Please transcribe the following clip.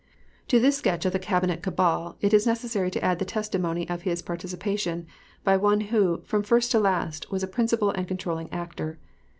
To this sketch of the Cabinet cabal it is necessary to add the testimony of his participation, by one who, from first to last, was a principal and controlling actor.